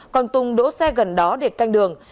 còn tùng đỗ xe gần đó để canh đường